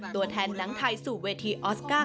ตัวแทนหนังไทยสู่เวทีออสการ์